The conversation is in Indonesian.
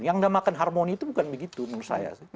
yang namakan harmoni itu bukan begitu menurut saya sih